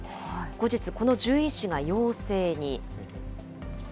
後日、この獣医師が陽性に。